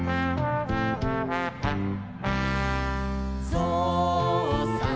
「ぞうさん